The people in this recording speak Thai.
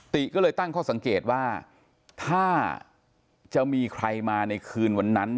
ติก็เลยตั้งข้อสังเกตว่าถ้าจะมีใครมาในคืนวันนั้น